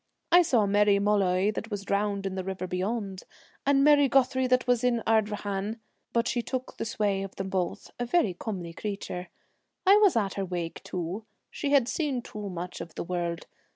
I saw Mary Molloy that was drowned in the river beyond, and Mary Guthrie that was in Ardrahan, but she took the sway of them both, a very comely creature. I was at her wake too — she had seen too much of the world.